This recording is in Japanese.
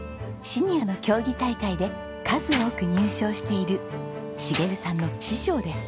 シニアの競技大会で数多く入賞している茂さんの師匠です。